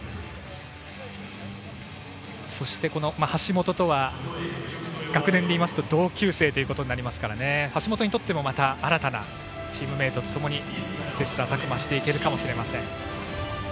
そして橋本とは学年で言いますと同級生となりますから橋本にとってもまた新たなチームメートとともに切さたく磨していけるかもしれません。